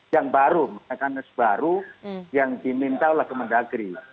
yang baru mekanisme baru yang diminta oleh kemendagri